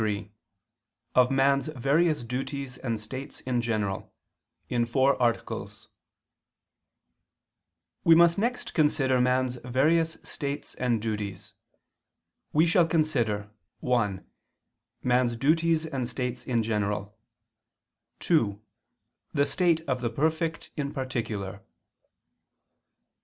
183 189) _______________________ OF MAN'S VARIOUS DUTIES AND STATES IN GENERAL (In Four Articles) We must next consider man's various states and duties. We shall consider (1) man's duties and states in general; (2) the state of the perfect in particular.